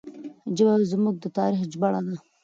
ژبه زموږ د تاریخ ژباړه ده.